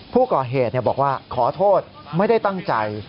ผู้ก่อเหตุบอกว่าขอโทษไม่ได้ตั้งใจ